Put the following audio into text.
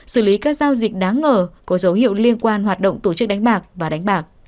xử lý các giao dịch đáng ngờ có dấu hiệu liên quan hoạt động tổ chức đánh bạc và đánh bạc